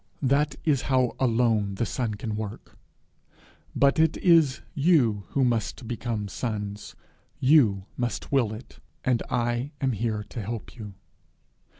That is how alone the Son can work. But it is you who must become sons; you must will it, and I am here to help you.'